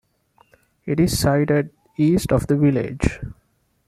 It is sited east of the village.